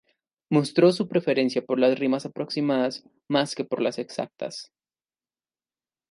Mostró preferencia por las rimas aproximadas más que por las exactas.